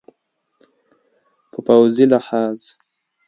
په پوځي لحاظ